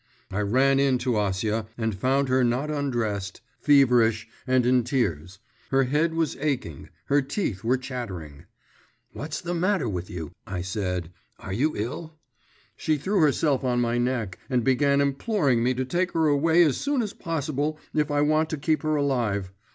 I ran in to Acia, and found her not undressed, feverish, and in tears; her head was aching, her teeth were chattering. "What's the matter with you?" I said, "are you ill?" She threw herself on my neck and began imploring me to take her away as soon as possible, if I want to keep her alive.